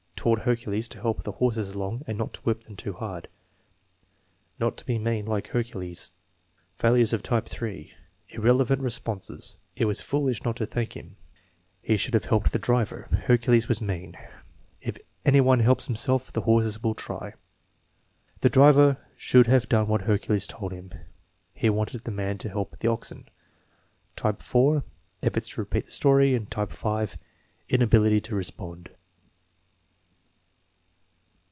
"Taught Hercules to help the horses along and not whip them too hard." "Not to be mean like Hercules." Failures of type (S), irrelevant responses: "It was foolish not to thank him," "He should have helped the driver." "Hercules was mean." "If any one helps himself the horses will try." "The driver should have done what Hercules told him." "He wanted the man to help the oxen." Type (4) : Efforts to repeat the story. Type (5) : Inability to respond.